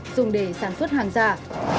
dùng để sản xuất hàng giả